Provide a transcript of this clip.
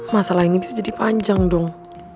masalah ini bisa jadi panjang dong